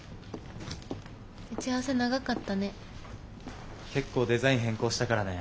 打ち合わせ長かったね。